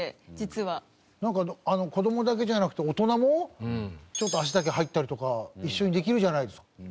なんか子供だけじゃなくて大人もちょっと足だけ入ったりとか一緒にできるじゃないですか。